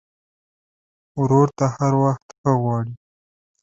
ورور ته هر وخت ښه غواړې.